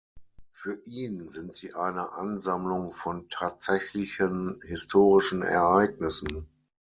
Für ihn sind sie eine Ansammlung von tatsächlichen historischen Ereignissen.